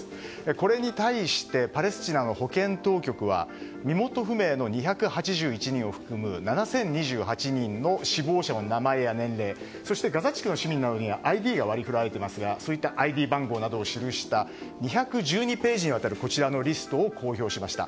これに対してパレスチナの保健当局は身元不明の２８１人を含む７０２８人の死亡者の名前や年齢そしてガザ地区の市民などにはＩＤが割り振られていますがそういったＩＤ番号などを記した２１２ページにわたるリストを公表しました。